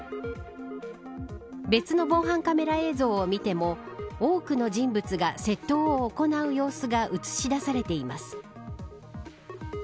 別の防犯カメラ映像を見ても多くの人物が窃盗を行う様子が映し出されています。